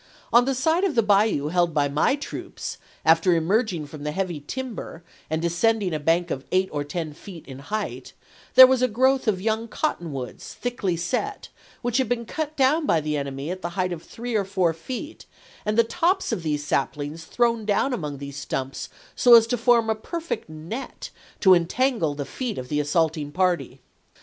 On the side of the bayou held by my troops (after emerging from the heavy timber and descending a bank of eight or ten feet in height) there was a growth of young cotton woods, thickly set, which had been cut down by the enemy at the height of three or four feet and the tops of these saplings thrown down among these stumps so as to form a perfect net to entangle the feet of the assaulting party.